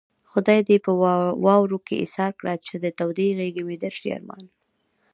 خدای دې په واورو کې ايسار کړه چې د تودې غېږې مې درشي ارمانونه